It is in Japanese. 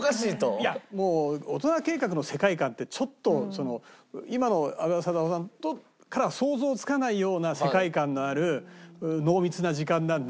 いやもう大人計画の世界観ってちょっと今の阿部サダヲさんからは想像つかないような世界観のある濃密な時間なんで。